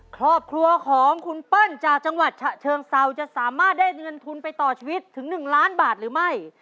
ครอบครัวของคุณเปิ้ลจากจังหวัดฉะเชิงเซาจะสามารถได้เงินทุนไปต่อชีวิตถึง๑ล้านบาทหรือไม่